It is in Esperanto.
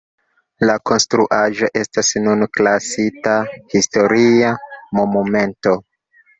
La konstruaĵo estas nun klasita Historia Monumento.